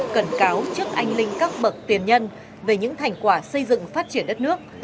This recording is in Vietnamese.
cẩn cáo trước anh linh các bậc tiền nhân về những thành quả xây dựng phát triển đất nước